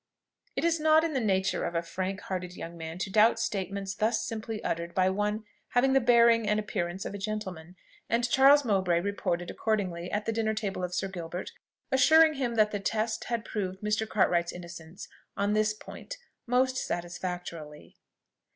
It is not in the nature of a frank hearted young man to doubt statements thus simply uttered by one having the bearing and appearance of a gentleman; and Charles Mowbray reported accordingly at the dinner table of Sir Gilbert, assuring him that the test had proved Mr. Cartwright's innocence on this point most satisfactorily.